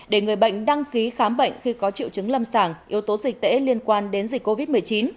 để người bệnh đăng ký khám bệnh khi có triệu chứng lâm sàng yếu tố dịch tễ liên quan đến dịch covid một mươi chín